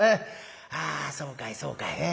あそうかいそうかい。